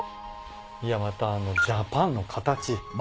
いやまたあのジャパンの形。